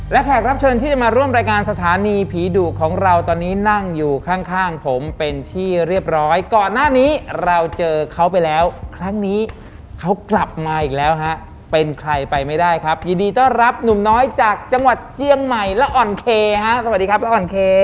และแขกรับเชิญที่จะมาร่วมรายการสถานีผีดุของเราตอนนี้นั่งอยู่ข้างข้างผมเป็นที่เรียบร้อยก่อนหน้านี้เราเจอเขาไปแล้วครั้งนี้เขากลับมาอีกแล้วฮะเป็นใครไปไม่ได้ครับยินดีต้อนรับหนุ่มน้อยจากจังหวัดเจียงใหม่และอ่อนเคฮะสวัสดีครับและอ่อนเค